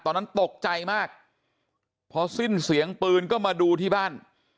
ตอนนั้นตกใจมากพอสิ้นเสียงปืนก็มาดูที่บ้าน